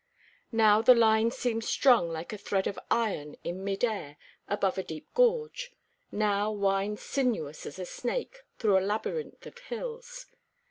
Now the line seems strung like a thread of iron in mid air above a deep gorge, now winds sinuous as a snake through a labyrinth of hills.